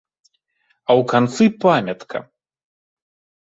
А ў канцы памятка.